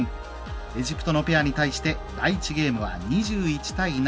エジプトのペアに対して第１ゲームは２１対７。